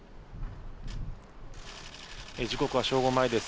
時刻は正午前です。